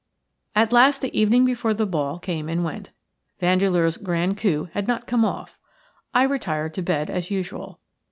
At last the evening before the ball came and went. Vandeleur's grand coup had not come off. I retired to bed as usual.